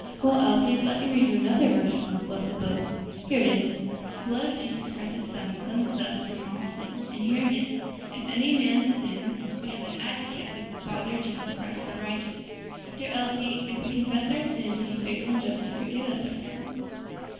"Well, Elsie, let me read you another verse from this blessed book. Here it is: 'The blood of Jesus Christ his Son, cleanseth us from all sin.' And here again: 'If any man sin, we have an advocate with the Father Jesus Christ the righteous.' Dear Elsie, 'if we confess our sins, He is faithful and just to forgive us our sins.'"